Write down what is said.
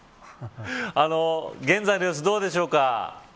現在の様子はどうでしょうか。